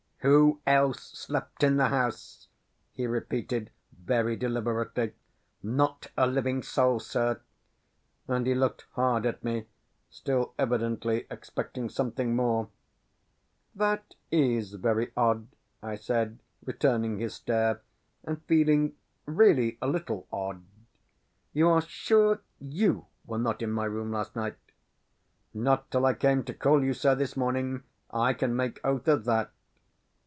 "Who else slept in the house?" he repeated, very deliberately. "Not a living soul, sir"; and he looked hard at me, still evidently expecting something more. "That is very odd," I said returning his stare, and feeling really a little odd. "You are sure you were not in my room last night?" "Not till I came to call you, sir, this morning; I can make oath of that."